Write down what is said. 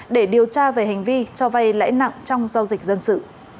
để điều tra về hành vi cho vay lãi nặng trong giao dịch dân sự